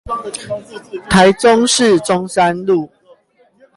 台中市中山路